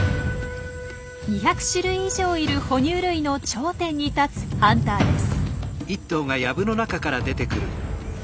２００種類以上いる哺乳類の頂点に立つハンターです。